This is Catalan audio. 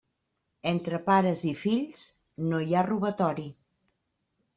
Entre pares i fills no hi ha robatori.